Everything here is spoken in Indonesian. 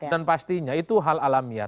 dan pastinya itu hal alamiah